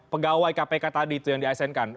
pegawai kpk tadi itu yang diaksesikan